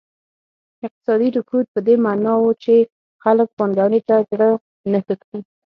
اقتصادي رکود په دې معنا و چې خلک پانګونې ته زړه نه ښه کړي.